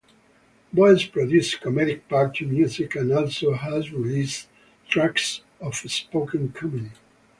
Boes produces comedic party music, and also has released tracks of spoken comedy.